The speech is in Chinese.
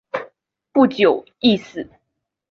不久亦死。